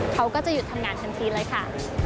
เขาก็จะหยุดทำงานทันทีเลยค่ะ